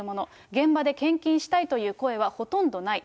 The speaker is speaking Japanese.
現場で献金したいという声はほとんどない。